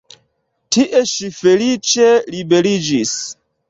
Tie ŝi feliĉe liberiĝis.